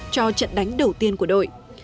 cho trận đánh đầu tiên của đội